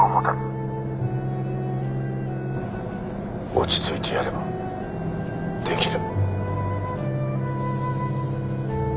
落ち着いてやればできる。